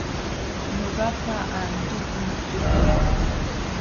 Ñuqapa antukum sutii.